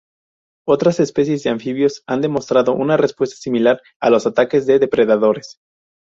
Otras especies de anfibios han demostrado una respuesta similar a los ataques de depredadores.